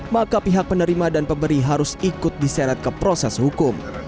maka pihak penerima dan pemberi harus ikut diseret ke proses hukum